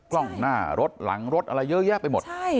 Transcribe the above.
กล้องหน้ารถหลังรถอะไรเยอะแยะไปหมด